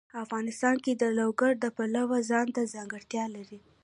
افغانستان د لوگر د پلوه ځانته ځانګړتیا لري.